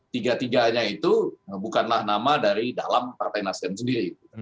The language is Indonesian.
tiga tiganya itu bukanlah nama dari dalam partai nasdem sendiri